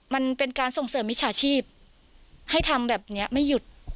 มันเป็นการส่งเสริมมิจฉาชีพให้ทำแบบนี้ไม่หยุด